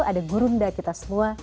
ada gurunda kita semua